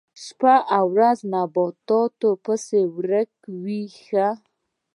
شپه او ورځ نباتاتو پسې ورک وي ښه.